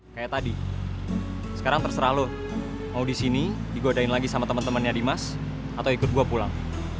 kayak tadi sekarang terserah lo mau disini digodain lagi sama temen temennya dimas atau ikut gue pulang